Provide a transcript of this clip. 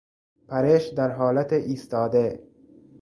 پرش در حالت ایستاده